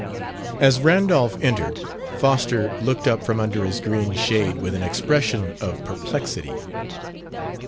As Randolph entered, Foster looked up from under his green shade with an expression of perplexity.